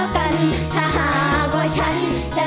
โอ้วววว